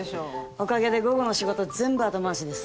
おかげで午後の仕事全部後回しです。